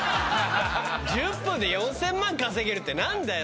「１０分で４０００万稼げる」って何だよ